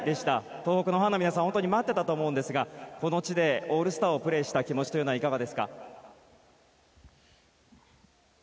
東北のファンの皆さん本当に待っていたと思うんですがこの地でオールスターをプレーした気持ちというのはいかがですか？